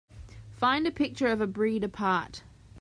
Find a picture of A Breed Apart